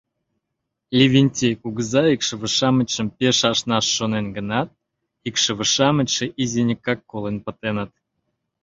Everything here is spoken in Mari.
Левентей кугыза икшыве-шамычшым пеш ашнаш шонен гынат, икшыве-шамычше изинекак колен пытеныт.